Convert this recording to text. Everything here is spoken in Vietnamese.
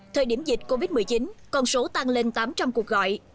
thời điểm dịch covid một mươi chín con số tăng lên tám trăm linh cuộc gọi